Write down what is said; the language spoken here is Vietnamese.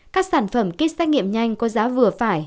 các sản phẩm kit xét nghiệm nhanh có giá vừa phải